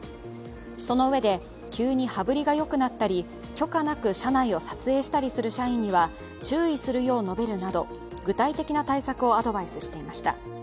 そのうえで、急に羽振りがよくなったり許可なく社内を撮影したるする社員には注意するよう述べるなど具体的な対策をアドバイスしていました。